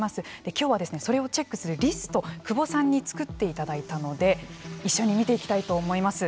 今日はそれをチェックするリスト久保さんに作っていただいたので一緒に見ていきたいと思います。